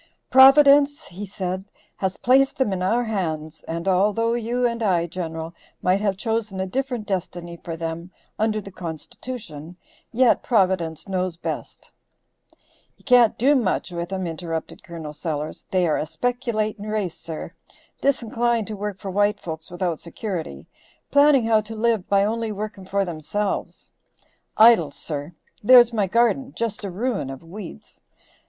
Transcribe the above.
"Providence," he said, "has placed them in our hands, and although you and I, General, might have chosen a different destiny for them, under the Constitution, yet Providence knows best." "You can't do much with 'em," interrupted Col. Sellers. "They are a speculating race, sir, disinclined to work for white folks without security, planning how to live by only working for themselves. Idle, sir, there's my garden just a ruin of weeds.